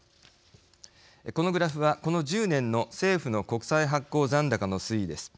このグラフは、この１０年の政府の国債発行残高の推移です。